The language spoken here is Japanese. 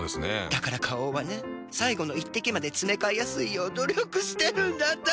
だから花王はね最後の一滴までつめかえやすいよう努力してるんだって。